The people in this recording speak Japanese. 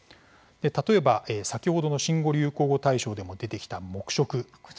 例えば先ほどの新語・流行語大賞でも出てきた黙食。